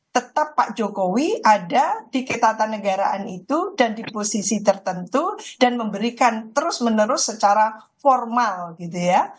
tetap pak jokowi ada di ketatanegaraan itu dan di posisi tertentu dan memberikan terus menerus secara formal gitu ya